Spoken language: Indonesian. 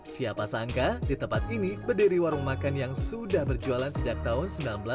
siapa sangka di tempat ini berdiri warung makan yang sudah berjualan sejak tahun seribu sembilan ratus delapan puluh